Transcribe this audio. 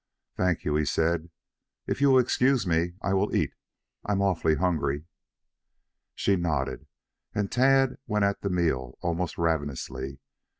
"Thank you," he said. "If you will excuse me I will eat. I'm awfully hungry." She nodded and Tad went at the meal almost ravenously.